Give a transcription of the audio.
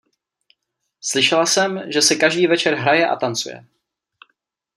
Slyšela jsem, že se každý večer hraje a tancuje.